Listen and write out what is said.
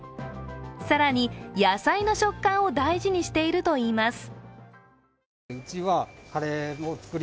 更に野菜の食感を大事にしているといいます。